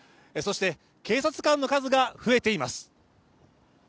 そして警察官の数が増えています。